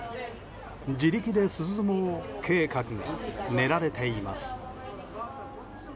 自力で涼もう計画が練られています。